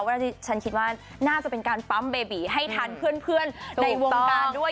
วันนี้ฉันคิดว่าน่าจะเป็นการปั๊มเบบีให้ทันเพื่อนในวงการด้วย